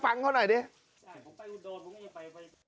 ฟังเขาหน่อยนะ